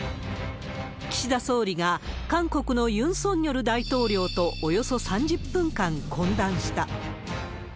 岸田総理が韓国のユン・ソンニョル大統領とおよそ３０分間懇談した。